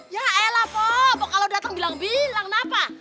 ya elah po kalau dateng bilang bilang kenapa